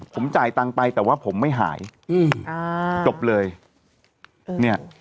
ผมจ่ายตังไปแต่ว่าผมไม่หายจบเลยเนี่ย